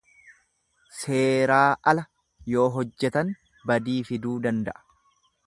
Seeraa ala yoo hojjetan badii fiduu danda'a.